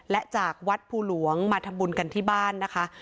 และจากวัดภูหลวงมาทำบุญกันที่บ้านนะคะ